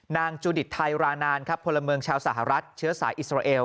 จุดิตไทยรานานครับพลเมืองชาวสหรัฐเชื้อสายอิสราเอล